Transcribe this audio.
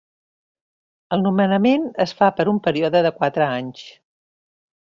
El nomenament es fa per un període de quatre anys.